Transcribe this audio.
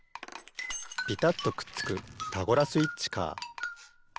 ピタッとくっつくタゴラスイッチカー。